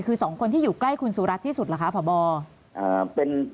คือสองคนที่อยู่ใกล้คุณสุรัติที่สุดหรือคะผ่าบอร์